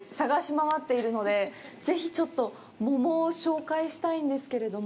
私、おいしいものを全国で探し回っているので、ぜひちょっと桃を紹介したいんですけれども。